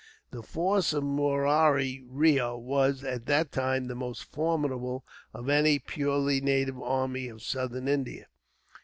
The force of Murari Reo was, at that time, the most formidable of any purely native army of Southern India.